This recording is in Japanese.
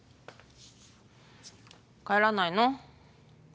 帰らないの？